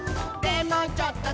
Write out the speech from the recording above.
でもちょっと！